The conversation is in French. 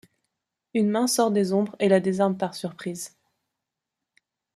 Une main sort des ombres et la désarme par surprise.